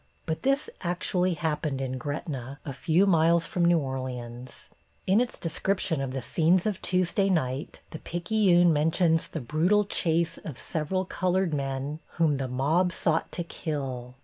But this actually happened in Gretna, a few miles from New Orleans. In its description of the scenes of Tuesday night, the Picayune mentions the brutal chase of several colored men whom the mob sought to kill.